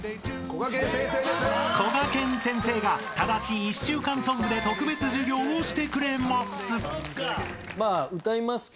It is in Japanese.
［こがけん先生が正しい１週間ソングで特別授業をしてくれます］